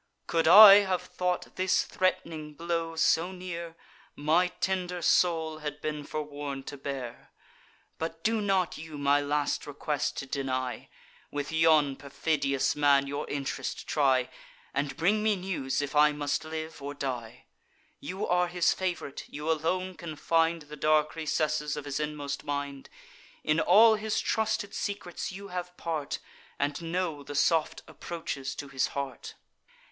Could I have thought this threat'ning blow so near, My tender soul had been forewarn'd to bear. But do not you my last request deny; With yon perfidious man your int'rest try, And bring me news, if I must live or die. You are his fav'rite; you alone can find The dark recesses of his inmost mind: In all his trusted secrets you have part, And know the soft approaches to his heart.